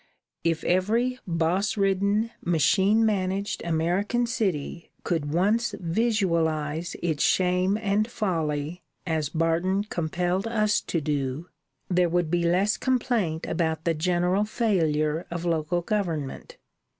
If every boss ridden, machine managed American city could once visualize its shame and folly as Barton compelled us to do, there would be less complaint about the general failure of local government.